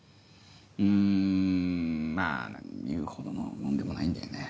うんまぁ言うほどのもんでもないんだよね。